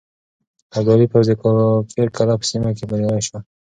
ابدالي پوځ د کافر قلعه په سيمه کې بريالی شو.